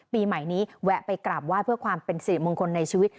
ปีใหม่นี้แวะไปกราบไหว้เพื่อความเป็นสิริมงคลในชีวิต